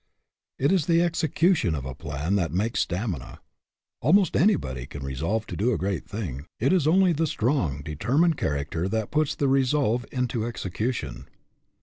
It is the execution of a plan that makes stamina. Almost anybody can resolve to do a great thing; it is only the strong, determined character that puts the resolve into execution.